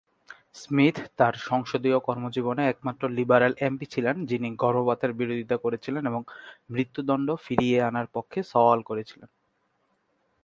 Smith তার সংসদীয় কর্মজীবনে একমাত্র লিবারেল এমপি ছিলেন যিনি গর্ভপাতের বিরোধিতা করেছিলেন এবং মৃত্যুদণ্ড ফিরিয়ে আনার পক্ষে সওয়াল করেছিলেন।